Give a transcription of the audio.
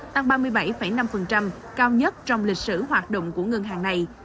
tăng ba mươi bảy năm cao nhất trong lịch sử của ngân hàng thương mại